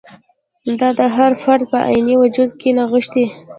دا د هر فرد په عیني وجود کې نغښتی.